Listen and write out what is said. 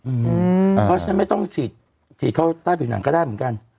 เพราะฉะนั้นไม่ต้องฉีดฉีดเข้าใต้ผิวหนังก็ได้เหมือนกัน